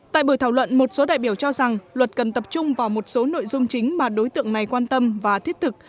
tại buổi thảo luận một số đại biểu cho rằng luật cần tập trung vào một số nội dung chính mà đối tượng này quan tâm và thiết thực